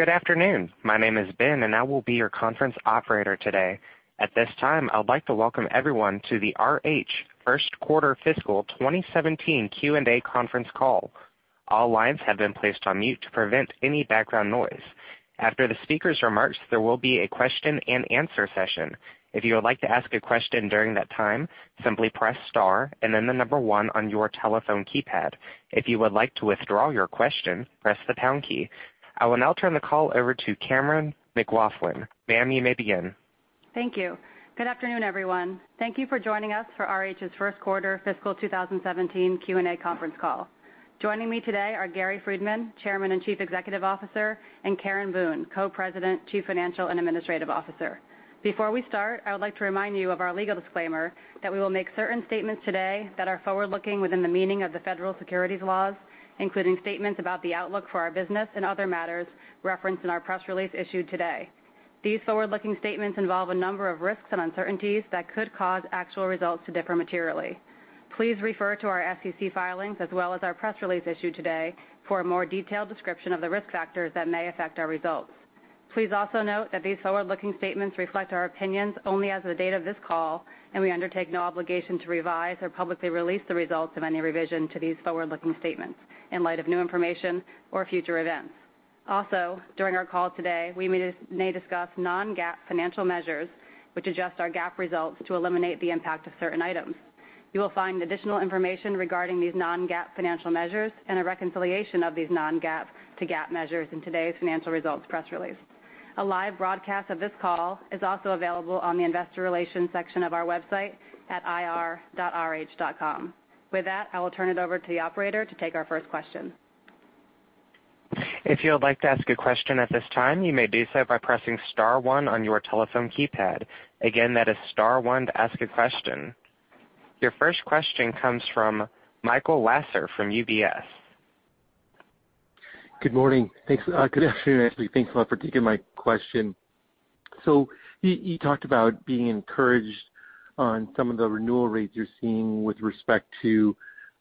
Good afternoon. My name is Ben, and I will be your conference operator today. At this time, I would like to welcome everyone to the RH first quarter fiscal 2017 Q&A conference call. All lines have been placed on mute to prevent any background noise. After the speaker's remarks, there will be a question and answer session. If you would like to ask a question during that time, simply press star and then the number 1 on your telephone keypad. If you would like to withdraw your question, press the pound key. I will now turn the call over to Cammeron McLaughlin. Ma'am, you may begin. Thank you. Good afternoon, everyone. Thank you for joining us for RH's first quarter fiscal 2017 Q&A conference call. Joining me today are Gary Friedman, Chairman and Chief Executive Officer, and Karen Boone, Co-President, Chief Financial and Administrative Officer. Before we start, I would like to remind you of our legal disclaimer that we will make certain statements today that are forward-looking within the meaning of the federal securities laws, including statements about the outlook for our business and other matters referenced in our press release issued today. These forward-looking statements involve a number of risks and uncertainties that could cause actual results to differ materially. Please refer to our SEC filings as well as our press release issued today for a more detailed description of the risk factors that may affect our results. Please also note that these forward-looking statements reflect our opinions only as of the date of this call. We undertake no obligation to revise or publicly release the results of any revision to these forward-looking statements in light of new information or future events. Also, during our call today, we may discuss non-GAAP financial measures, which adjust our GAAP results to eliminate the impact of certain items. You will find additional information regarding these non-GAAP financial measures and a reconciliation of these non-GAAP to GAAP measures in today's financial results press release. A live broadcast of this call is also available on the investor relations section of our website at ir.rh.com. With that, I will turn it over to the operator to take our first question. If you would like to ask a question at this time, you may do so by pressing star 1 on your telephone keypad. Again, that is star 1 to ask a question. Your first question comes from Michael Lasser from UBS. Good morning. Thanks. Good afternoon, actually. Thanks a lot for taking my question. You talked about being encouraged on some of the renewal rates you're seeing with respect to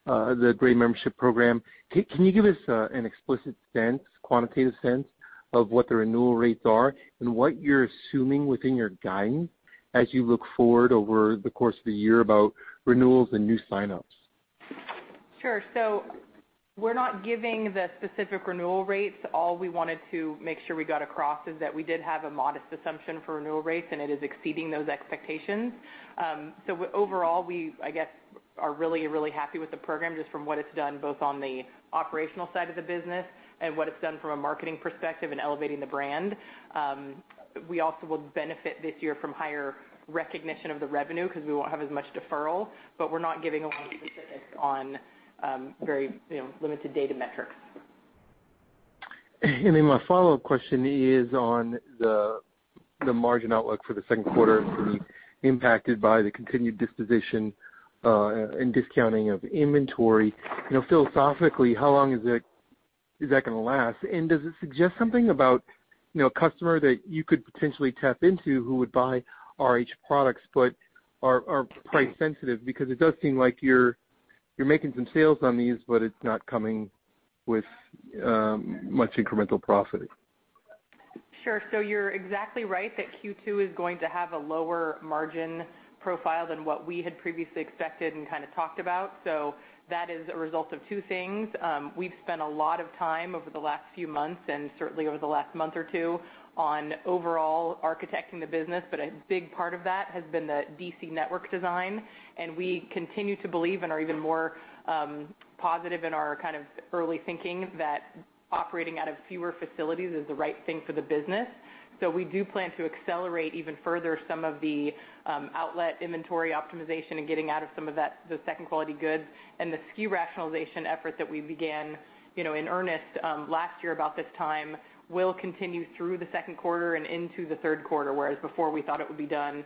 the Grey Membership program. Can you give us an explicit sense, quantitative sense of what the renewal rates are and what you're assuming within your guidance as you look forward over the course of the year about renewals and new sign-ups? Sure. We're not giving the specific renewal rates. All we wanted to make sure we got across is that we did have a modest assumption for renewal rates, and it is exceeding those expectations. Overall, we, I guess, are really happy with the program, just from what it's done both on the operational side of the business and what it's done from a marketing perspective in elevating the brand. We also will benefit this year from higher recognition of the revenue because we won't have as much deferral, but we're not giving away specifics on very limited data metrics. My follow-up question is on the margin outlook for the 2nd quarter to be impacted by the continued disposition and discounting of inventory. Philosophically, how long is that going to last, and does it suggest something about a customer that you could potentially tap into who would buy RH products but are price sensitive? It does seem like you're making some sales on these, but it's not coming with much incremental profit. Sure. You're exactly right that Q2 is going to have a lower margin profile than what we had previously expected and kind of talked about. That is a result of two things. We've spent a lot of time over the last few months and certainly over the last month or two on overall architecting the business. A big part of that has been the DC network design, and we continue to believe and are even more positive in our kind of early thinking that operating out of fewer facilities is the right thing for the business. We do plan to accelerate even further some of the outlet inventory optimization and getting out of some of that, the second quality goods and the SKU rationalization effort that we began in earnest last year about this time will continue through the second quarter and into the third quarter, whereas before we thought it would be done.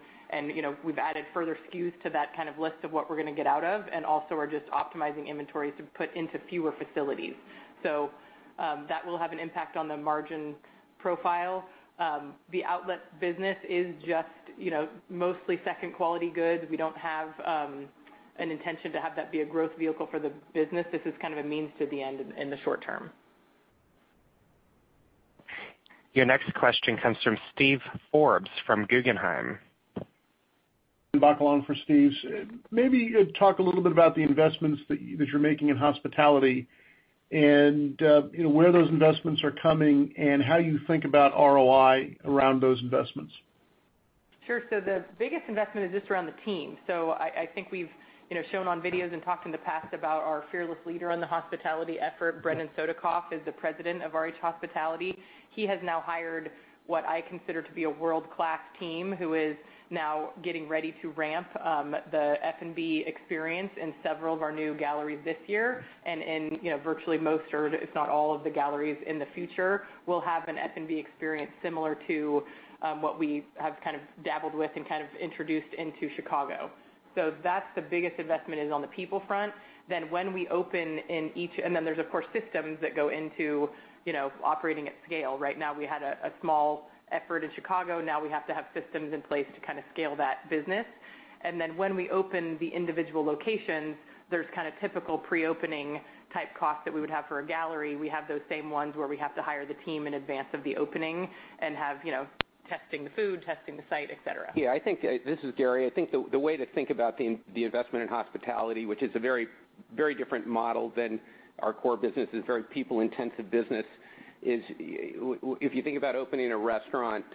We've added further SKUs to that kind of list of what we're going to get out of, and also are just optimizing inventories to put into fewer facilities. That will have an impact on the margin profile. The outlet business is just mostly second-quality goods. We don't have an intention to have that be a growth vehicle for the business. This is kind of a means to the end in the short term. Your next question comes from Steven Forbes from Guggenheim. Back along for Steve's. Maybe talk a little bit about the investments that you're making in hospitality and where those investments are coming and how you think about ROI around those investments. Sure. The biggest investment is just around the team. I think we've shown on videos and talked in the past about our fearless leader in the hospitality effort. Brendan Sodikoff is the President of RH Hospitality. He has now hired what I consider to be a world-class team who is now getting ready to ramp, the F&B experience in several of our new galleries this year. Virtually most or if not all of the galleries in the future will have an F&B experience similar to what we have kind of dabbled with and kind of introduced into Chicago. That's the biggest investment is on the people front. When we open, and then there's of course systems that go into operating at scale. Right now, we had a small effort in Chicago. We have to have systems in place to kind of scale that business. When we open the individual locations, there's kind of typical pre-opening type costs that we would have for a gallery. We have those same ones where we have to hire the team in advance of the opening and have testing the food, testing the site, et cetera. I think, this is Gary Friedman. The way to think about the investment in RH Hospitality, which is a very different model than our core business, is very people-intensive business. If you think about opening a restaurant,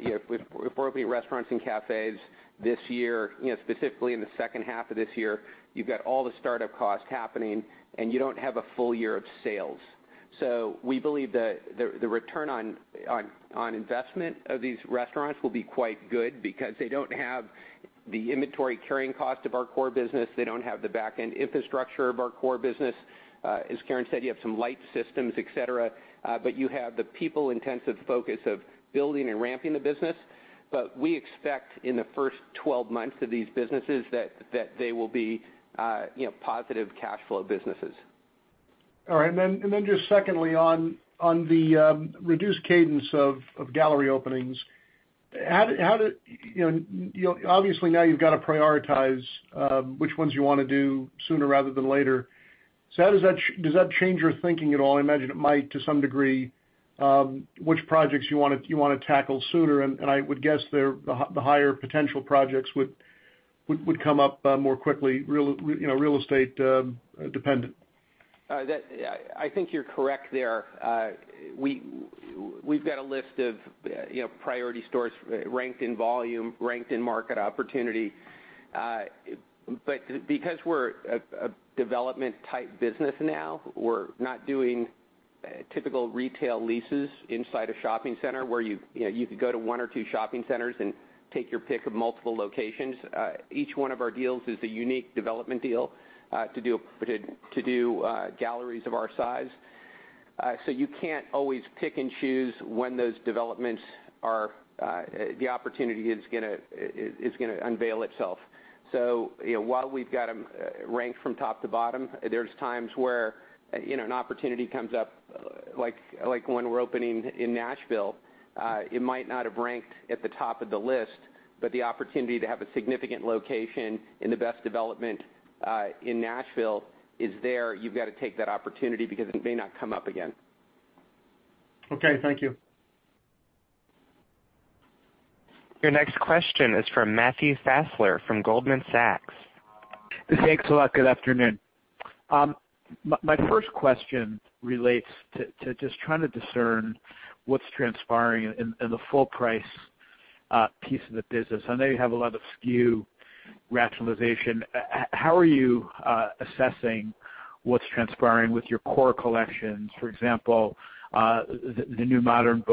if we're opening restaurants and cafes this year, specifically in the second half of this year, you've got all the startup costs happening, and you don't have a full year of sales. We believe that the ROI of these restaurants will be quite good because they don't have the inventory carrying costs of our core business. They don't have the backend infrastructure of our core business. As Karen Boone said, you have some light systems, et cetera, you have the people-intensive focus of building and ramping the business. We expect in the first 12 months of these businesses that they will be positive cash flow businesses. On the reduced cadence of gallery openings, obviously now you've got to prioritize which ones you want to do sooner rather than later. Does that change your thinking at all? I imagine it might, to some degree, which projects you want to tackle sooner, I would guess the higher potential projects would come up more quickly, real estate dependent. I think you're correct there. We've got a list of priority stores ranked in volume, ranked in market opportunity. Because we're a development-type business now, we're not doing typical retail leases inside a shopping center where you could go to one or two shopping centers and take your pick of multiple locations. Each one of our deals is a unique development deal to do galleries of our size. You can't always pick and choose when those developments are, the opportunity is going to unveil itself. While we've got them ranked from top to bottom, there's times where an opportunity comes up, like when we're opening in Nashville. It might not have ranked at the top of the list, the opportunity to have a significant location in the best development in Nashville is there. You've got to take that opportunity because it may not come up again. Okay, thank you. Your next question is from Matthew Fassler from Goldman Sachs. Thanks a lot. Good afternoon. My first question relates to just trying to discern what's transpiring in the full-price piece of the business. I know you have a lot of SKU rationalization. How are you assessing what's transpiring with your core collections, for example, the new RH Modern,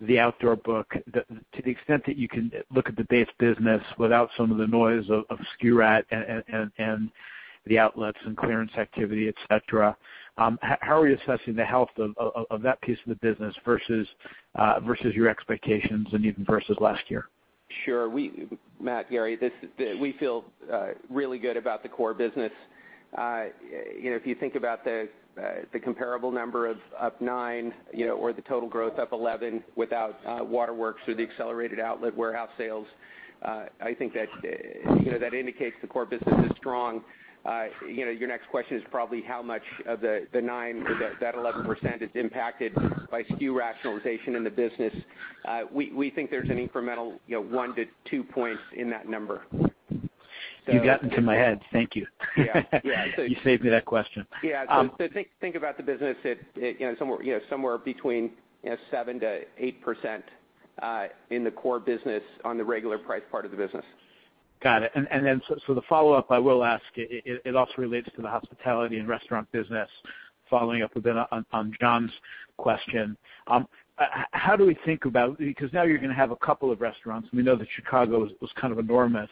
the outdoor book, to the extent that you can look at the base business without some of the noise of SKU rat and the outlets and clearance activity, et cetera. How are you assessing the health of that piece of the business versus your expectations and even versus last year? Sure. Matt, Gary, we feel really good about the core business. If you think about the comparable number of up 9% or the total growth up 11% without Waterworks or the accelerated outlet warehouse sales, I think that indicates the core business is strong. Your next question is probably how much of the 9% or that 11% is impacted by SKU rationalization in the business. We think there's an incremental 1-2 points in that number. You got into my head. Thank you. Yeah. You saved me that question. Yeah. Think about the business at somewhere between 7%-8% in the core business on the regular price part of the business. Got it. The follow-up I will ask, it also relates to the hospitality and restaurant business. Following up with on John's question. How do we think about Because now you're going to have a couple of restaurants, and we know that Chicago was kind of enormous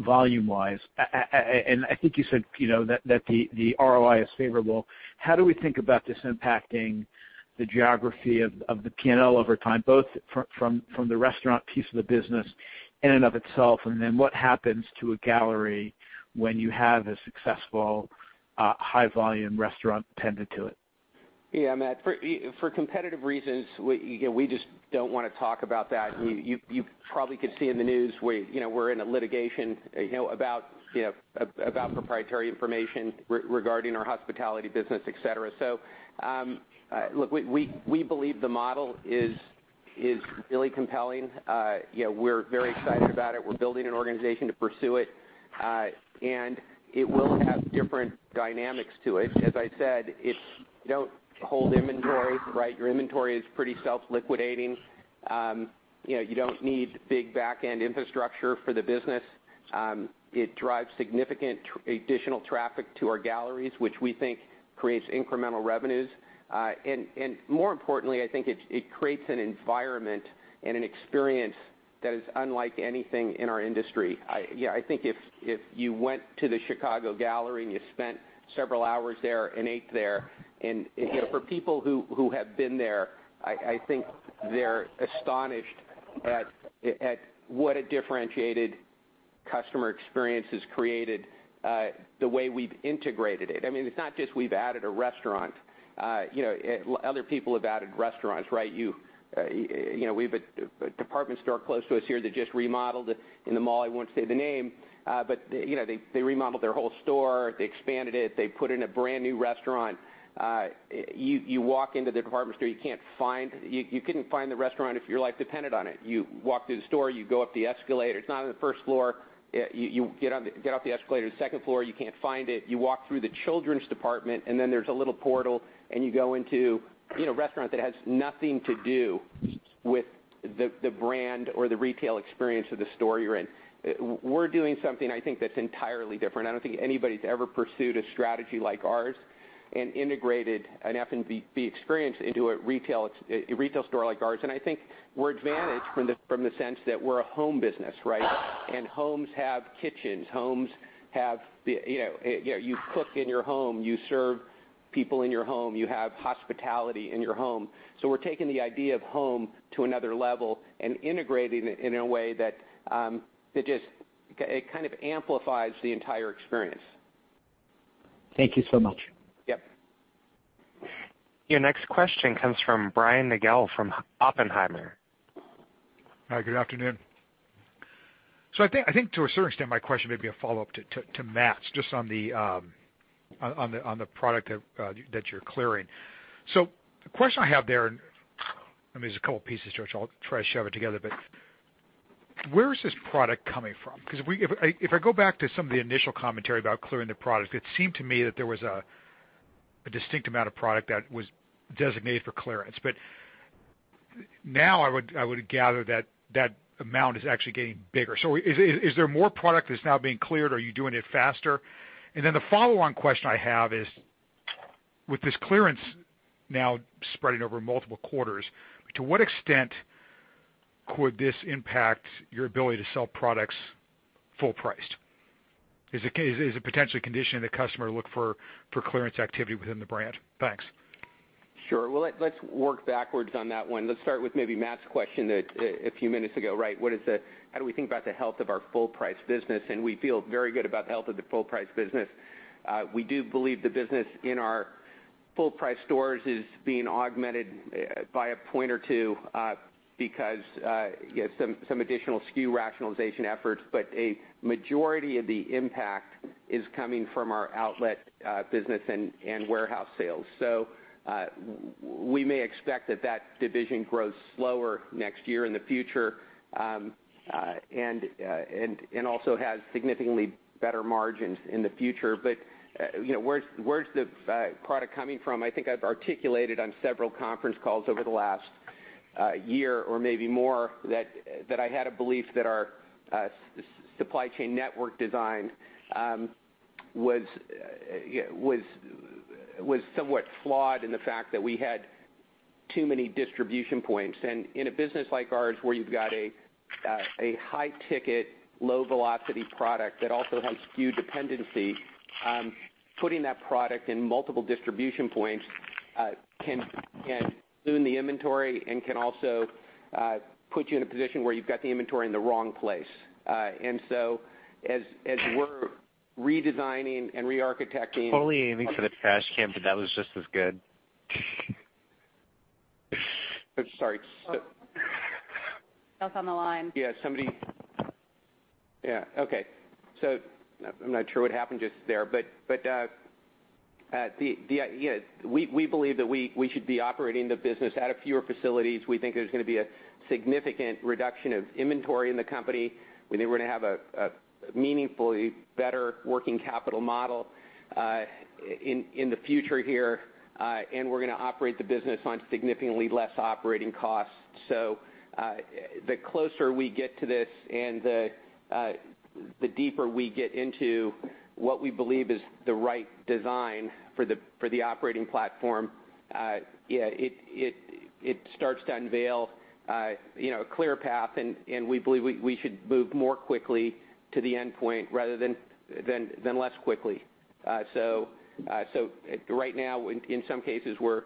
volume-wise. I think you said that the ROI is favorable. How do we think about this impacting the geography of the P&L over time, both from the restaurant piece of the business in and of itself, and then what happens to a gallery when you have a successful, high-volume restaurant tended to it? Yeah, Matt, for competitive reasons, we just don't want to talk about that. You probably could see in the news we're in a litigation about proprietary information regarding our hospitality business, et cetera. Look, we believe the model is really compelling. We're very excited about it. We're building an organization to pursue it. It will have different dynamics to it. As I said, you don't hold inventory, right? Your inventory is pretty self-liquidating. You don't need big backend infrastructure for the business. It drives significant additional traffic to our galleries, which we think creates incremental revenues. More importantly, I think it creates an environment and an experience that is unlike anything in our industry. I think if you went to the Chicago gallery and you spent several hours there and ate there, for people who have been there, I think they're astonished at what a differentiated customer experience is created, the way we've integrated it. I mean, it's not just we've added a restaurant. Other people have added restaurants, right? We have a department store close to us here that just remodeled in the mall. I won't say the name. They remodeled their whole store. They expanded it. They put in a brand-new restaurant. You walk into the department store, you couldn't find the restaurant if your life depended on it. You walk through the store, you go up the escalator, it's not on the first floor. You get off the escalator to the second floor, you can't find it. You walk through the children's department, then there's a little portal, and you go into restaurant that has nothing to do with the brand or the retail experience of the store you're in. We're doing something, I think that's entirely different. I don't think anybody's ever pursued a strategy like ours and integrated an F&B experience into a retail store like ours. I think we're advantaged from the sense that we're a home business, right? Homes have kitchens. You cook in your home, you serve people in your home. You have hospitality in your home. We're taking the idea of home to another level and integrating it in a way that it just kind of amplifies the entire experience. Thank you so much. Yep. Your next question comes from Brian Nagel from Oppenheimer. Hi, good afternoon. I think to a certain extent, my question may be a follow-up to Matt's just on the product that you're clearing. The question I have there, and there's a couple pieces to it, so I'll try to shove it together, where is this product coming from? Because if I go back to some of the initial commentary about clearing the product, it seemed to me that there was a distinct amount of product that was designated for clearance. Now I would gather that that amount is actually getting bigger. Is there more product that's now being cleared? Are you doing it faster? And then the follow-on question I have is, with this clearance now spreading over multiple quarters, to what extent could this impact your ability to sell products full priced? Is it potentially conditioning the customer to look for clearance activity within the brand? Thanks. Sure. Well, let's work backwards on that one. Let's start with maybe Matt's question a few minutes ago. How do we think about the health of our full price business? We feel very good about the health of the full price business. We do believe the business in our full price stores is being augmented by a point or two because some additional SKU rationalization efforts, a majority of the impact is coming from our outlet business and warehouse sales. We may expect that that division grows slower next year in the future. Also has significantly better margins in the future. Where's the product coming from? I think I've articulated on several conference calls over the last year or maybe more that I had a belief that our supply chain network design was somewhat flawed in the fact that we had too many distribution points. In a business like ours, where you've got a high-ticket, low-velocity product that also has SKU dependency, putting that product in multiple distribution points can ruin the inventory and can also put you in a position where you've got the inventory in the wrong place. As we're redesigning and re-architecting- Totally aiming for the trash can, but that was just as good. I'm sorry. That was on the line. Yeah. Okay. I'm not sure what happened just there, but we believe that we should be operating the business out of fewer facilities. We think there's going to be a significant reduction of inventory in the company. We think we're going to have a meaningfully better working capital model in the future here. We're going to operate the business on significantly less operating costs. The closer we get to this and the deeper we get into what we believe is the right design for the operating platform, it starts to unveil a clear path, and we believe we should move more quickly to the endpoint rather than less quickly. Right now, in some cases, we're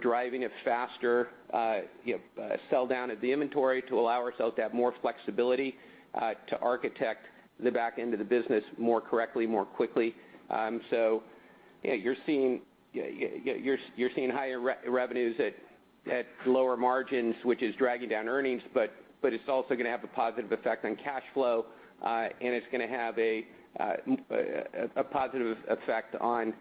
driving a faster sell down of the inventory to allow ourselves to have more flexibility to architect the back end of the business more correctly, more quickly. Yeah, you're seeing higher revenues at lower margins, which is dragging down earnings, but it's also going to have a positive effect on cash flow. It's going to have a positive effect on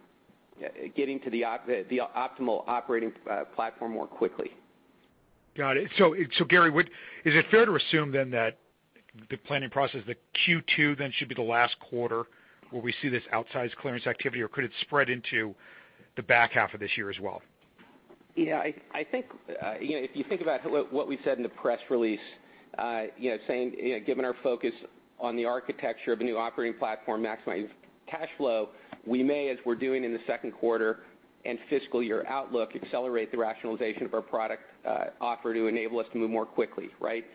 getting to the optimal operating platform more quickly. Got it. Gary, is it fair to assume then that the planning process, that Q2 then should be the last quarter where we see this outsized clearance activity or could it spread into the back half of this year as well? Yeah, if you think about what we said in the press release, saying given our focus on the architecture of a new operating platform maximizing cash flow, we may, as we're doing in the second quarter and fiscal year outlook, accelerate the rationalization of our product offer to enable us to move more quickly. Right?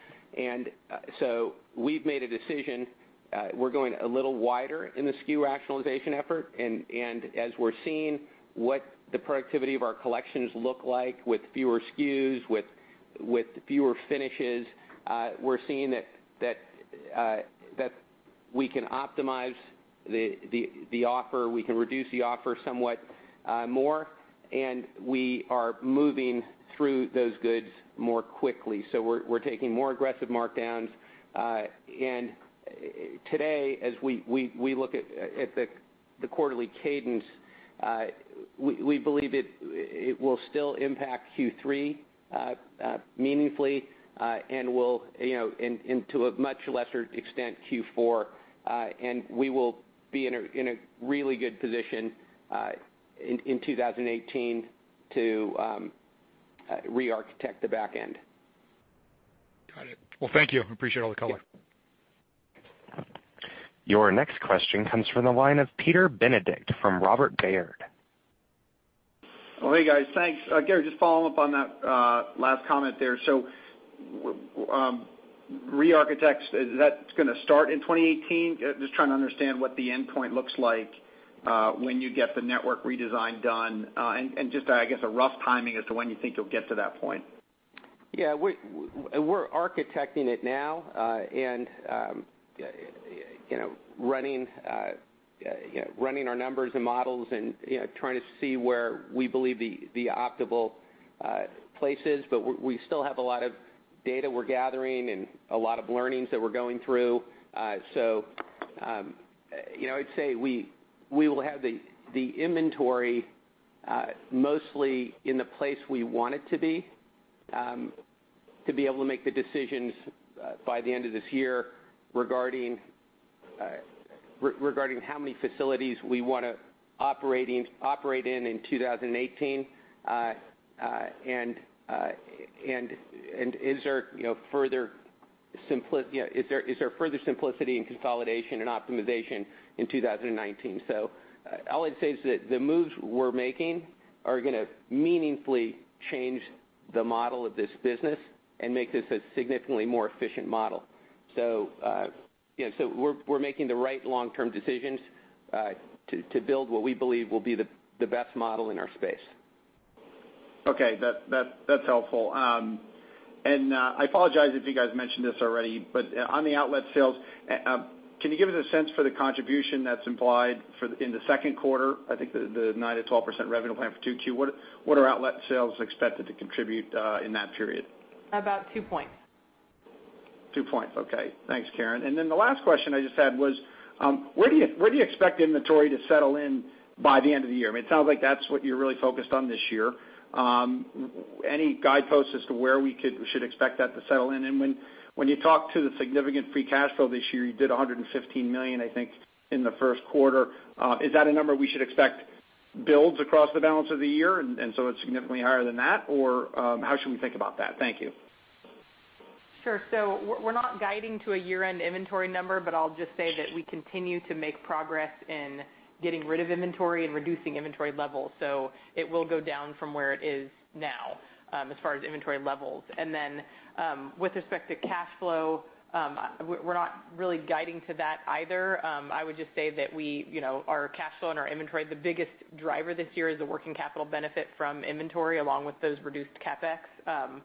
We've made a decision. We're going a little wider in the SKU rationalization effort, and as we're seeing what the productivity of our collections look like with fewer SKUs, with fewer finishes, we're seeing that we can optimize the offer, we can reduce the offer somewhat more, and we are moving through those goods more quickly. We're taking more aggressive markdowns. Today, as we look at the quarterly cadence, we believe it will still impact Q3 meaningfully, and to a much lesser extent, Q4. We will be in a really good position in 2018 to re-architect the back end. Well, thank you. Appreciate all the color. Your next question comes from the line of Peter Benedict from Robert Baird. Hey, guys. Thanks. Gary, just following up on that last comment there. Re-architect, is that going to start in 2018? Just trying to understand what the endpoint looks like when you get the network redesign done. Just, I guess, a rough timing as to when you think you'll get to that point. Yeah. We're architecting it now, running our numbers and models and trying to see where we believe the optimal place is. We still have a lot of data we're gathering and a lot of learnings that we're going through. I'd say we will have the inventory mostly in the place we want it to be, to be able to make the decisions by the end of this year regarding how many facilities we want to operate in 2018. Is there further simplicity and consolidation and optimization in 2019? All I'd say is that the moves we're making are going to meaningfully change the model of this business and make this a significantly more efficient model. We're making the right long-term decisions to build what we believe will be the best model in our space. Okay. That's helpful. I apologize if you guys mentioned this already, on the outlet sales, can you give us a sense for the contribution that's implied in the second quarter? I think the 9%-12% revenue plan for 2Q. What are outlet sales expected to contribute in that period? About 2 points. 2 points. Okay. Thanks, Karen. The last question I just had was, where do you expect inventory to settle in by the end of the year? I mean, it sounds like that's what you're really focused on this year. Any guideposts as to where we should expect that to settle in? When you talk to the significant free cash flow this year, you did $115 million, I think, in the first quarter. Is that a number we should expect builds across the balance of the year, and so it's significantly higher than that? Or how should we think about that? Thank you. We're not guiding to a year-end inventory number, I'll just say that we continue to make progress in getting rid of inventory and reducing inventory levels. It will go down from where it is now, as far as inventory levels. With respect to cash flow, we're not really guiding to that either. I would just say that our cash flow and our inventory, the biggest driver this year is the working capital benefit from inventory, along with those reduced CapEx.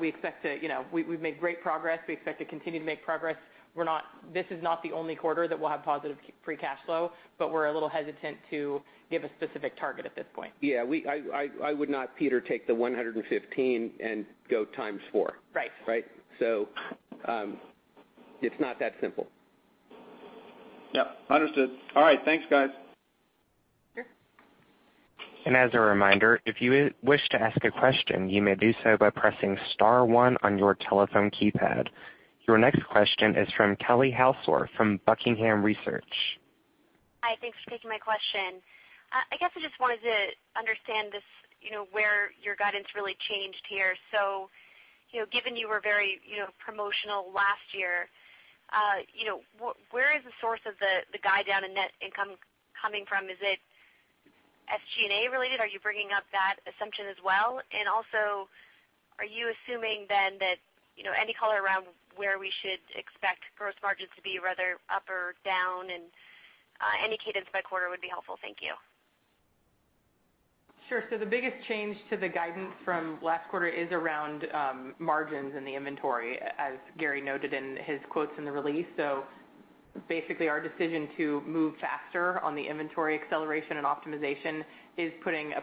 We've made great progress. We expect to continue to make progress. This is not the only quarter that we'll have positive free cash flow, but we're a little hesitant to give a specific target at this point. Yeah. I would not, Peter, take the 115 and go times four. Right. Right? It's not that simple. Yep. Understood. All right. Thanks, guys. Sure. As a reminder, if you wish to ask a question, you may do so by pressing star one on your telephone keypad. Your next question is from Kelly Halsor from Buckingham Research. Hi, thanks for taking my question. I guess I just wanted to understand where your guidance really changed here. Given you were very promotional last year, where is the source of the guide down in net income coming from? Is it SG&A related? Are you bringing up that assumption as well? Are you assuming then that any color around where we should expect gross margins to be, rather up or down? Any cadence by quarter would be helpful. Thank you. Sure. The biggest change to the guidance from last quarter is around margins and the inventory, as Gary noted in his quotes in the release. Basically, our decision to move faster on the inventory acceleration and optimization is putting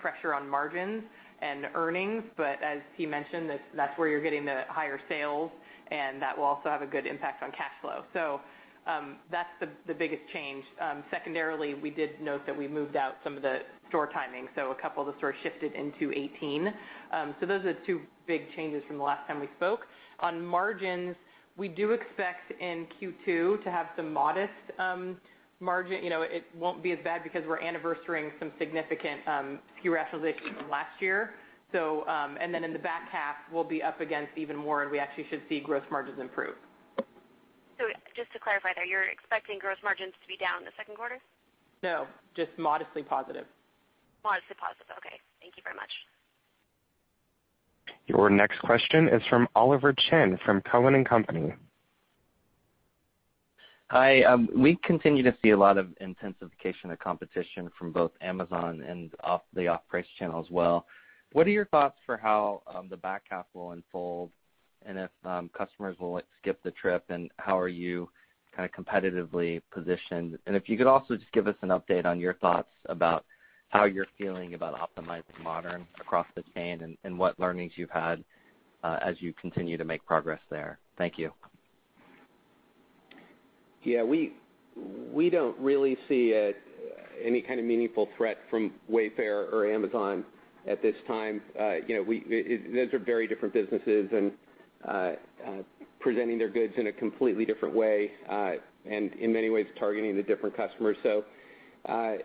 pressure on margins and earnings. As he mentioned, that's where you're getting the higher sales, and that will also have a good impact on cash flow. That's the biggest change. Secondarily, we did note that we moved out some of the store timing, a couple of the stores shifted into 2018. Those are the two big changes from the last time we spoke. On margins, we do expect in Q2 to have some modest margin. It won't be as bad because we're anniversarying some significant SKU rationalizations from last year. In the back half, we'll be up against even more, and we actually should see gross margins improve. Just to clarify there, you're expecting gross margins to be down in the second quarter? No, just modestly positive. Modestly positive. Okay. Thank you very much. Your next question is from Oliver Chen from Cowen and Company. Hi. We continue to see a lot of intensification of competition from both Amazon and the off-price channel as well. What are your thoughts for how the back half will unfold, and if customers will skip the trip, and how are you kind of competitively positioned? If you could also just give us an update on your thoughts about how you're feeling about optimizing Modern across the chain and what learnings you've had as you continue to make progress there. Thank you. Yeah, we don't really see any kind of meaningful threat from Wayfair or Amazon at this time. Those are very different businesses, and presenting their goods in a completely different way, and in many ways, targeting the different customers. I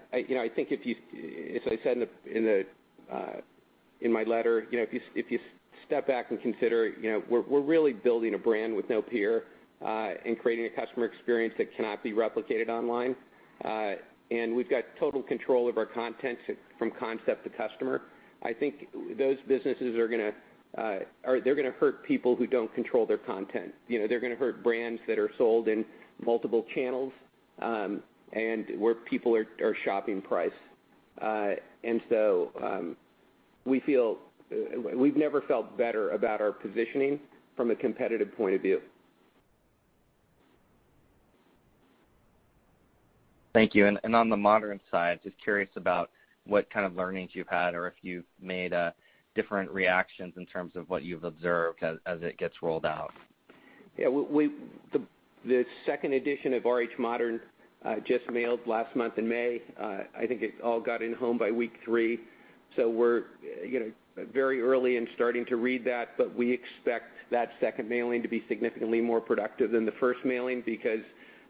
think as I said in my letter, if you step back and consider, we're really building a brand with no peer, and creating a customer experience that cannot be replicated online. We've got total control of our content from concept to customer. I think those businesses are going to hurt people who don't control their content. They're going to hurt brands that are sold in multiple channels, and where people are shopping price. We've never felt better about our positioning from a competitive point of view. Thank you. On the Modern side, just curious about what kind of learnings you've had or if you've made different reactions in terms of what you've observed as it gets rolled out. Yeah. The second edition of RH Modern just mailed last month in May. I think it all got in home by week three, so we're very early and starting to read that, but we expect that second mailing to be significantly more productive than the first mailing because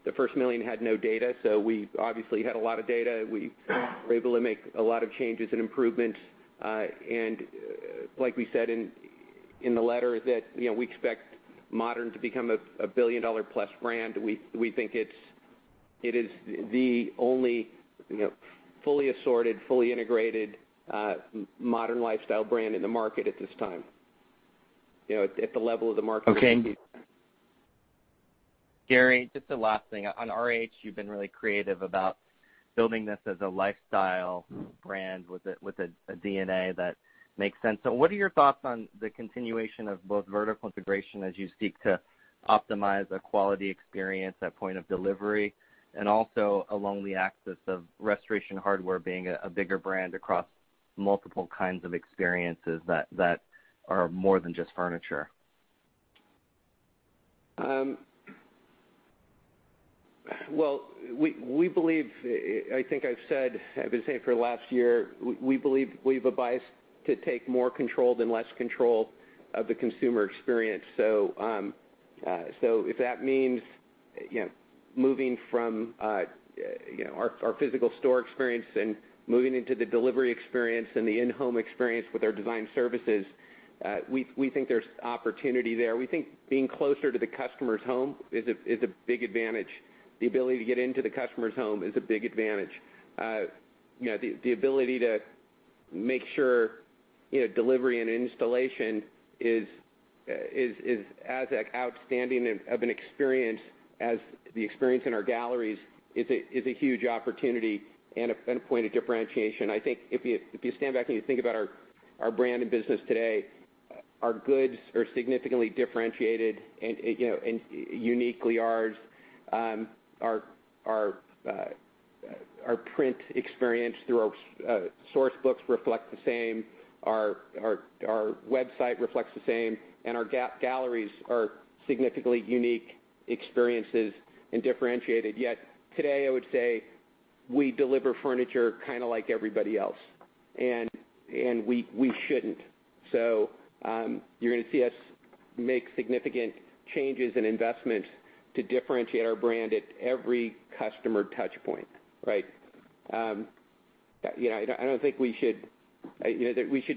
the first mailing had no data. We obviously had a lot of data. We were able to make a lot of changes and improvements. Like we said in the letter, that we expect Modern to become a billion-dollar-plus brand. We think it is the only fully assorted, fully integrated, modern lifestyle brand in the market at this time. At the level of the market- Okay. Gary, just a last thing. On RH, you've been really creative about building this as a lifestyle brand with a DNA that makes sense. What are your thoughts on the continuation of both vertical integration as you seek to optimize a quality experience at point of delivery, and also along the axis of Restoration Hardware being a bigger brand across multiple kinds of experiences that are more than just furniture? Well, I think I've been saying for the last year, we believe we've advised to take more control than less control of the consumer experience. If that means moving from our physical store experience and moving into the delivery experience and the in-home experience with our design services, we think there's opportunity there. We think being closer to the customer's home is a big advantage. The ability to get into the customer's home is a big advantage. The ability to make sure delivery and installation is as outstanding of an experience as the experience in our galleries is a huge opportunity and a point of differentiation. I think if you stand back and you think about our brand and business today, our goods are significantly differentiated and uniquely ours. Our print experience through our Source Books reflects the same, our website reflects the same. Our galleries are significantly unique experiences and differentiated. Yet today, I would say we deliver furniture kind of like everybody else, we shouldn't. You're going to see us make significant changes and investments to differentiate our brand at every customer touch point. Right? I don't think we should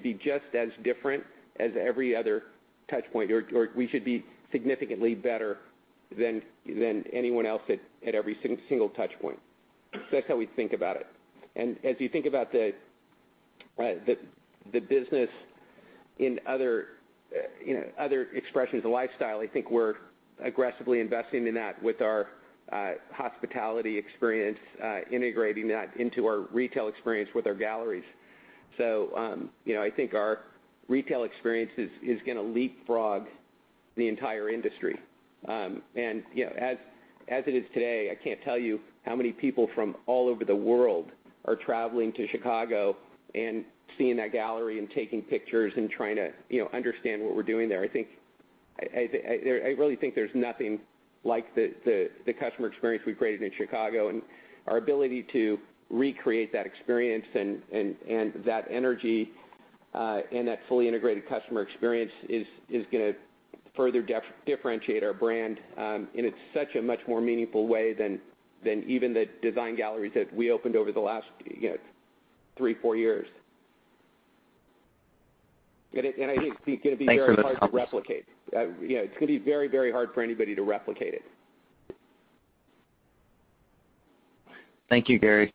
be just as different as every other touch point or we should be significantly better than anyone else at every single touch point. That's how we think about it. As you think about the business in other expressions of lifestyle, I think we're aggressively investing in that with our hospitality experience, integrating that into our retail experience with our galleries. I think our retail experience is going to leapfrog the entire industry. As it is today, I can't tell you how many people from all over the world are traveling to Chicago and seeing that gallery and taking pictures and trying to understand what we're doing there. I really think there's nothing like the customer experience we've created in Chicago and our ability to recreate that experience and that energy, and that fully integrated customer experience is going to further differentiate our brand in such a much more meaningful way than even the design galleries that we opened over the last three, four years. I think it's going to be very hard to replicate. It's going to be very, very hard for anybody to replicate it. Thank you, Gary.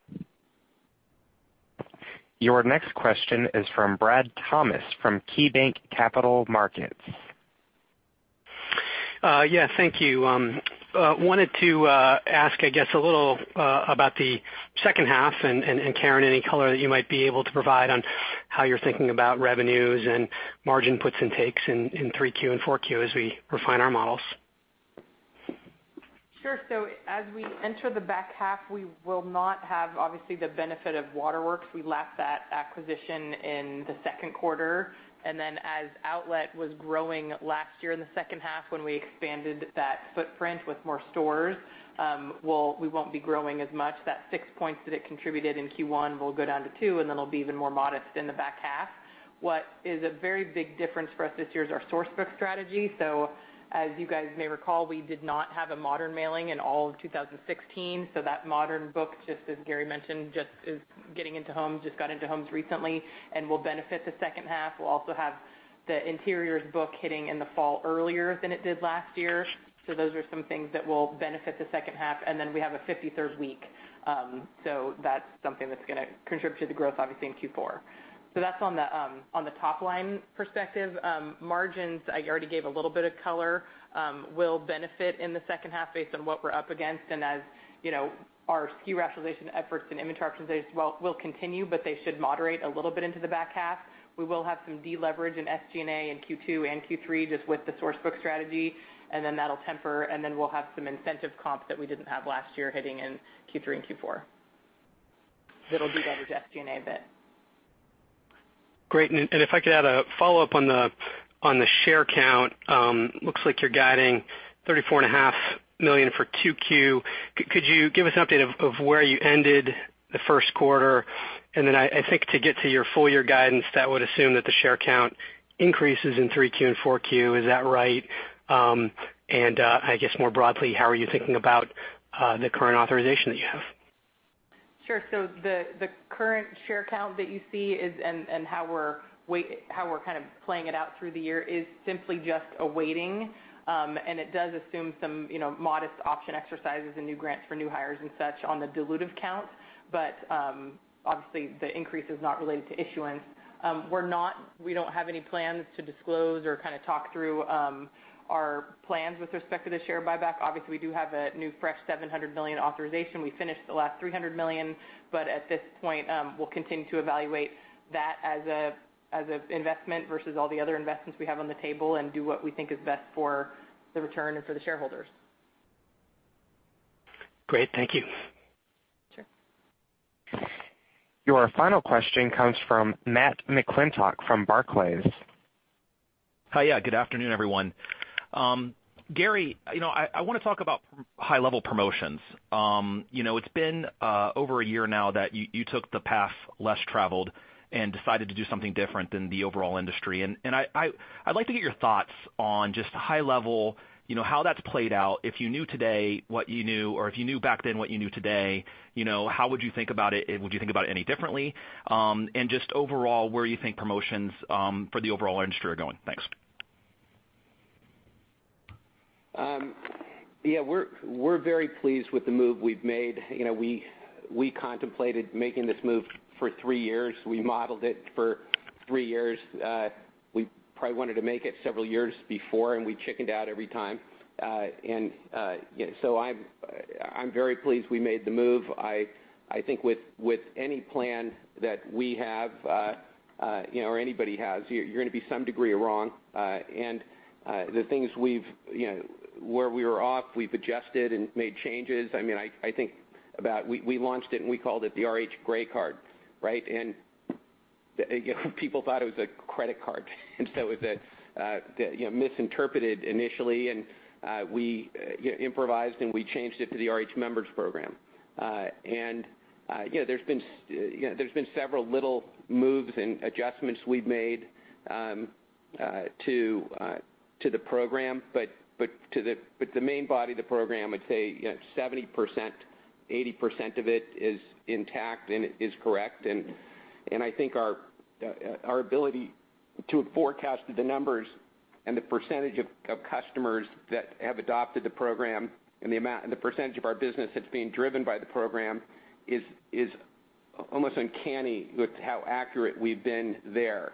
Your next question is from Bradley Thomas from KeyBanc Capital Markets. Yeah, thank you. Wanted to ask, I guess a little about the second half and, Karen, any color that you might be able to provide on how you're thinking about revenues and margin puts and takes in Q3 and Q4 as we refine our models. Sure. As we enter the back half, we will not have, obviously, the benefit of Waterworks. We lapped that acquisition in the second quarter. As Outlet was growing last year in the second half when we expanded that footprint with more stores, we won't be growing as much. That six points that it contributed in Q1 will go down to two, and then it'll be even more modest in the back half. What is a very big difference for us this year is our Source Book strategy. As you guys may recall, we did not have a modern mailing in all of 2016. That modern book, just as Gary mentioned, just is getting into homes, just got into homes recently and will benefit the second half. We'll also have the interiors book hitting in the fall earlier than it did last year. Those are some things that will benefit the second half. We have a 53rd week. That's something that's going to contribute to the growth, obviously, in Q4. That's on the top line perspective. Margins, I already gave a little bit of color, will benefit in the second half based on what we're up against. As our SKU rationalization efforts and image optimization will continue, but they should moderate a little bit into the back half. We will have some deleverage in SG&A in Q2 and Q3 just with the Source Book strategy, that'll temper. Then we'll have some incentive comps that we didn't have last year hitting in Q3 and Q4 that'll deleverage SG&A a bit. Great. If I could add a follow-up on the share count. Looks like you're guiding $34.5 million for 2Q. Could you give us an update of where you ended the first quarter? I think to get to your full year guidance, that would assume that the share count increases in 3Q and 4Q. Is that right? I guess more broadly, how are you thinking about the current authorization that you have? Sure. The current share count that you see and how we're kind of playing it out through the year is simply just a waiting. It does assume some modest option exercises and new grants for new hires and such on the dilutive count. Obviously, the increase is not related to issuance. We don't have any plans to disclose or kind of talk through our plans with respect to the share buyback. Obviously, we do have a new fresh $700 million authorization. We finished the last $300 million. At this point, we'll continue to evaluate that as an investment versus all the other investments we have on the table and do what we think is best for the return and for the shareholders. Great. Thank you. Sure. Your final question comes from Matthew McClintock from Barclays. Hi. Yeah, good afternoon, everyone. Gary, I want to talk about high-level promotions. It's been over a year now that you took the path less traveled and decided to do something different than the overall industry. I'd like to get your thoughts on just high level, how that's played out. If you knew today what you knew or if you knew back then what you knew today, how would you think about it? Would you think about it any differently? Just overall, where you think promotions for the overall industry are going? Thanks. Yeah, we're very pleased with the move we've made. We contemplated making this move for three years. We modeled it for three years. We probably wanted to make it several years before, and we chickened out every time. I'm very pleased we made the move. I think with any plan that we have or anybody has, you're going to be some degree wrong. The things where we were off, we've adjusted and made changes. I think about we launched it and we called it the RH Grey Card, right? People thought it was a credit card. It was misinterpreted initially, and we improvised, and we changed it to the RH Members Program. There's been several little moves and adjustments we've made to the program, but the main body of the program, I'd say 70%, 80% of it is intact and is correct. I think our ability to have forecasted the numbers and the percentage of customers that have adopted the program and the percentage of our business that's being driven by the program is almost uncanny with how accurate we've been there.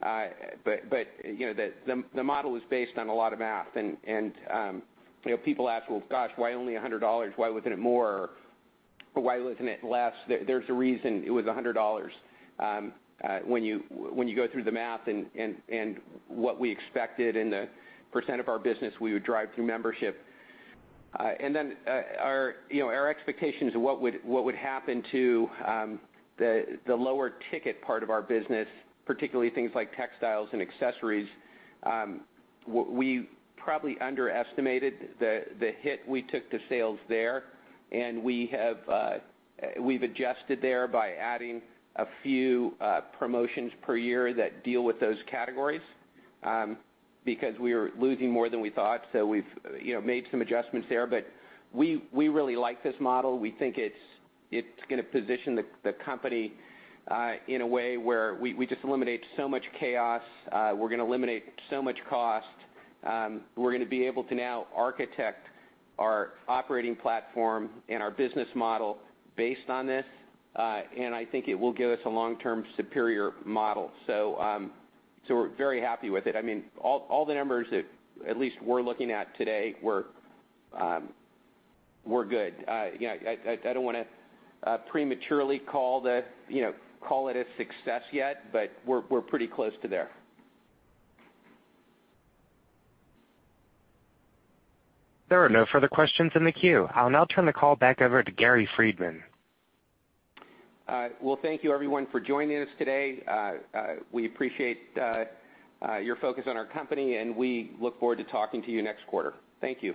The model is based on a lot of math. People ask, "Well, gosh, why only $100? Why wasn't it more? Or why wasn't it less?" There's a reason it was $100 when you go through the math and what we expected and the percent of our business we would drive through membership. Then our expectations of what would happen to the lower ticket part of our business, particularly things like textiles and accessories. We probably underestimated the hit we took to sales there. We've adjusted there by adding a few promotions per year that deal with those categories because we were losing more than we thought. We've made some adjustments there. We really like this model. We think it's going to position the company in a way where we just eliminate so much chaos. We're going to eliminate so much cost. We're going to be able to now architect our operating platform and our business model based on this. I think it will give us a long-term superior model. We're very happy with it. All the numbers that at least we're looking at today were good. I don't want to prematurely call it a success yet, but we're pretty close to there. There are no further questions in the queue. I'll now turn the call back over to Gary Friedman. Well, thank you, everyone, for joining us today. We appreciate your focus on our company, and we look forward to talking to you next quarter. Thank you.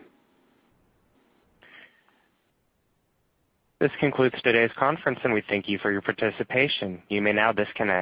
This concludes today's conference. We thank you for your participation. You may now disconnect.